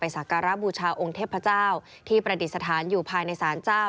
สักการะบูชาองค์เทพเจ้าที่ประดิษฐานอยู่ภายในศาลเจ้า